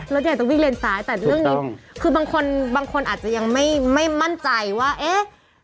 รถใหญ่จะวิ่งเลนซ้ายแต่เรื่องนี้คือบางคนบางคนอาจจะยังไม่มั่นใจว่าเอ๊ะ